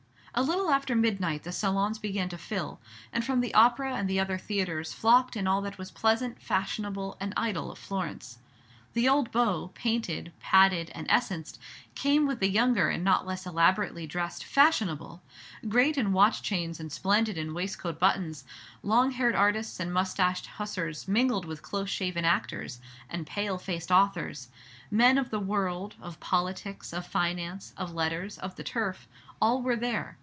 A little after midnight the salons began to fill, and from the Opera and the other theatres flocked in all that was pleasant, fashionable, and idle of Florence. The old beau, painted, padded, and essenced, came with the younger and not less elaborately dressed "fashionable," great in watch chains and splendid in waistcoat buttons; long haired artists and moustached hussars mingled with close shaven actors and pale faced authors; men of the world, of politics, of finance, of letters, of the turf, all were there.